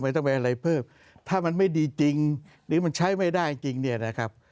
ต้องไปอะไรเพิ่มถ้ามันไม่ดีจริงหรือมันใช้ไม่ได้จริงเนี่ยนะครับ